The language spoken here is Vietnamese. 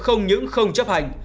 không những không chấp hành